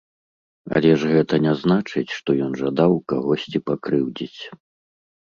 Але гэта ж не значыць, што ён жадаў кагосьці пакрыўдзіць.